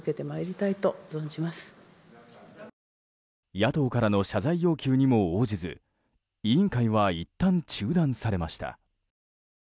野党からの謝罪要求にも応じず委員会はいったん中断されました。